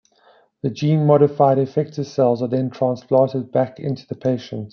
The gene-modified effector cells are then transplanted back into the patient.